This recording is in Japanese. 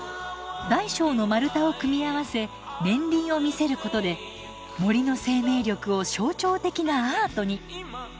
大小の丸太を組み合わせ年輪を見せることで森の生命力を象徴的なアートに。